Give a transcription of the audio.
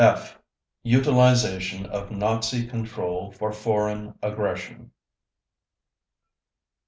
(F) UTILIZATION OF NAZI CONTROL FOR FOREIGN AGGRESSION 1.